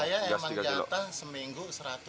saya emang nyata seminggu